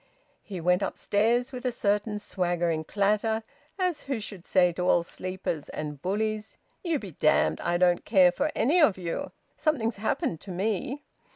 He went upstairs with a certain swaggering clatter, as who should say to all sleepers and bullies: "You be damned! I don't care for any of you! Something's happened to me."